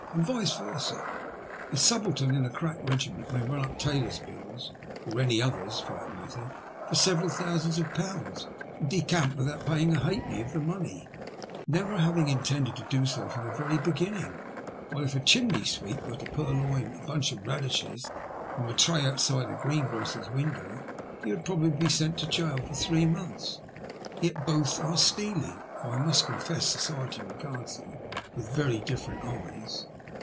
And vice vena. A subaltern in a crack regiment may run up tailors' bills — or any others, for that matter — for several thousands of pounds and decamp without paying a halfpenny of the money, never having intended to do so from the very begin ning, while if a chimney sweep were to purloin a bunch of radishes from a tray outside a greengrocer's window, he would probably be sent to gaol for three months. And yet both are stealing, though I must confess society regards them with very different eyes.